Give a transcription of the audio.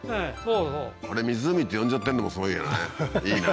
これ湖って呼んじゃってんのもすごいよね